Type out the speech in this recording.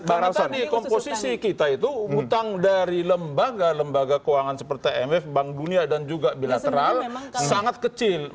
karena di komposisi kita itu utang dari lembaga lembaga keuangan seperti emf bank dunia dan juga bilateral sangat kecil